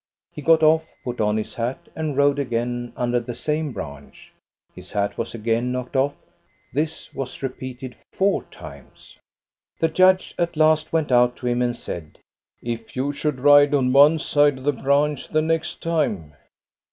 He got off, put on his hat, and rode again under the same branch. His hat was again knocked off; this was repeated four times. The judge at last went out to him and said :" If you should ride on one side of the branch the next time?